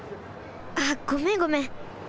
あっごめんごめん。